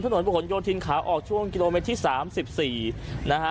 ถนนผู้ขนโยชน์ถิ่นขาออกช่วงกิโลเมตรที่สามสิบสี่นะฮะ